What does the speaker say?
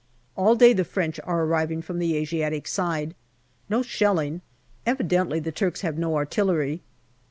All day the French are arriving from the Asiatic side. No shelling. Evidently the Turks have no artillery.